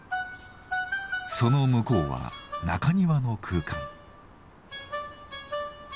その向こうは中庭の空間。